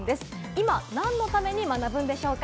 今、何のために学ぶんでしょうか？